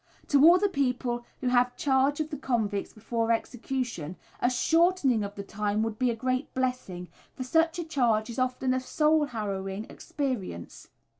To all the people who have charge of the convicts before execution, a shortening of the time would be a great blessing, for such a charge is often a soul harrowing experience.